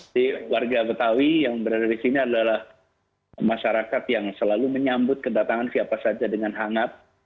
jadi warga betawi yang berada di sini adalah masyarakat yang selalu menyambut kedatangan siapa saja dengan hangat